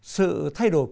sự thay đổi của bói toán